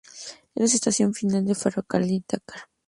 Es la estación final del ferrocarril Dakar-Níger.